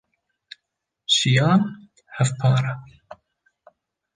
jiyan hevpar e.